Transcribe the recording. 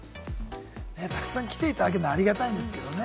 たくさん来ていただけるのはありがたいですけれどもね。